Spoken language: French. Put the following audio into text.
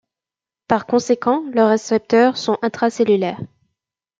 Par conséquent leurs récepteurs sont intracellulaires.